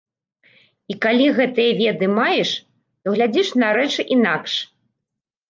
І калі гэтыя веды маеш, то глядзіш на рэчы інакш.